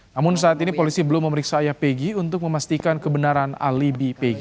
namun saat ini polisi belum memeriksa ayah peggy untuk memastikan kebenaran alibi pegg